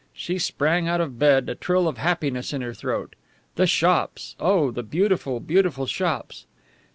She sprang out of bed, a trill of happiness in her throat. The shops! Oh, the beautiful, beautiful shops!